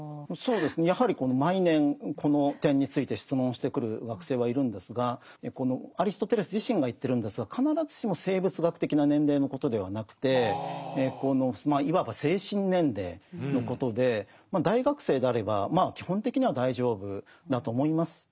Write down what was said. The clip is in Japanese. やはり毎年この点について質問してくる学生はいるんですがアリストテレス自身が言ってるんですが必ずしも生物学的な年齢のことではなくてまあいわば精神年齢のことで大学生であればまあ基本的には大丈夫だと思います。